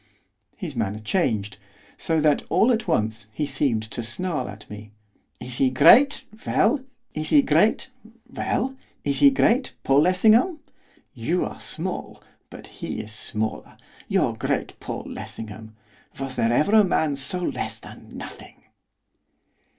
His manner changed, so that, all at once, he seemed to snarl at me. 'Is he great? well! is he great, Paul Lessingham? You are small, but he is smaller, your great Paul Lessingham! Was there ever a man so less than nothing?